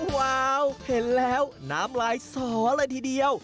ว้าวเห็นแล้วน้ำลายสอเลยทีเดียว